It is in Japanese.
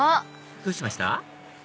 どうしました？